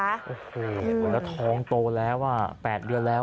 โอ้โหแล้วท้องโตแล้ว๘เดือนแล้ว